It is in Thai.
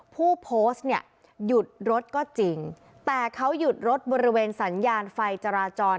ผู้โพสต์เนี่ยหยุดรถก็จริงแต่เขาหยุดรถบริเวณสัญญาณไฟจราจร